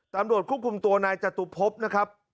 ตำรวจควบคุมตัวนายจตุพบนะครับ